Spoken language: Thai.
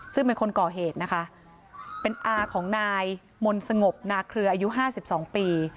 ซึ่งเป็นคนก่อเหตุนะคะเป็นอาของนายมนต์สงบนาเครืออายุ๕๒ปี